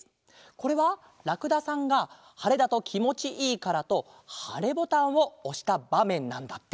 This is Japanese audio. これはらくださんがはれだときもちいいからとはれボタンをおしたばめんなんだって。